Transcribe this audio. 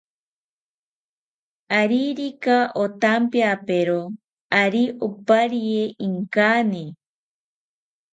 Aririka otampiapero, ari oparie inkani